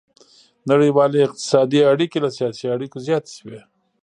نړیوالې اقتصادي اړیکې له سیاسي اړیکو زیاتې شوې